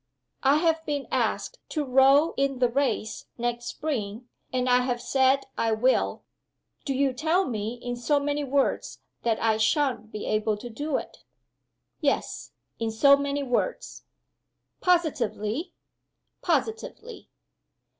"I have been asked to row in the Race, next spring; and I have said I will. Do you tell me, in so many words, that I sha'n't be able to do it?" "Yes in so many words." "Positively?" "Positively."